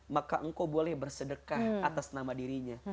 maka engkau boleh bersedekah atas nama dirinya